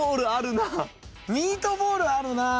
ミートボールあるな。